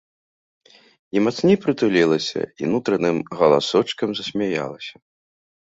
І мацней прытулілася, і нутраным галасочкам засмяялася.